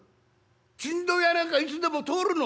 ちんどん屋なんかいつでも通るの！